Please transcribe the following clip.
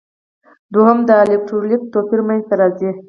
دوهم د الکترولیتیک توپیر منځ ته راځي.